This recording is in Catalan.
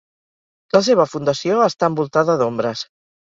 La seva fundació està envoltada d'ombres.